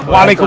ya cakep tuh